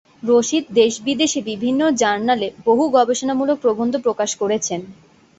রশীদ দেশ-বিদেশে বিভিন্ন জার্নালে বহু গবেষণামূলক প্রবন্ধ প্রকাশ করেছেন।